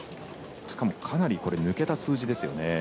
しかもかなり抜けた数字ですよね。